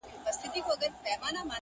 د یوه بل په ښېګڼه چي رضا سي٫